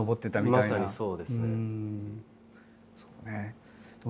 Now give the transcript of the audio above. まさにそうですね。